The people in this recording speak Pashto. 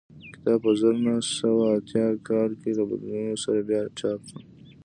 کتاب په زر نه سوه اتیا کال کې له بدلونونو سره بیا چاپ شو